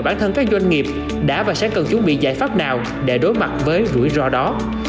bản thân các doanh nghiệp đã và sẽ cần chuẩn bị giải pháp nào để đối mặt với rủi ro đó